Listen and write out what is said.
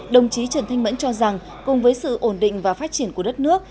đồng chí trần thanh mẫn cho rằng cùng với sự ổn định và phát triển của đất nước